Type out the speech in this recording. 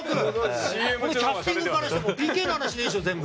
キャスティングからしてＰＫの話でいいでしょ、全部。